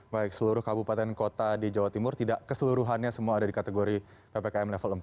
baik seluruh kabupaten kota di jawa timur tidak keseluruhannya semua ada di kategori ppkm level empat